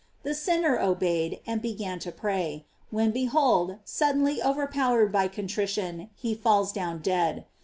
The sinner obeyed, and began to pray, when behold, suddenly over powered by contrition, he falls down dead.